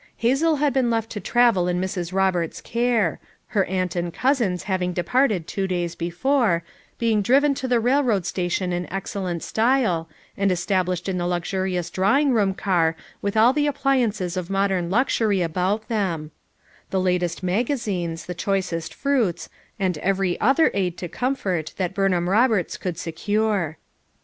Hazel had been left to travel in Mrs. Roberts's care; her aunt and cousins hav FOUE MOTHERS AT CHAUTAUQUA 391 ing departed two days before, being driven to the railroad station in excellent style, and estab lished in the luxurious drawing room car with all the appliances of modern luxury about them; the latest magazines, the choicest fruits, and every other aid to comfort that Burnham Rob erts could secure.